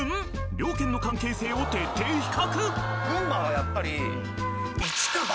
両県の関係性を徹底比較！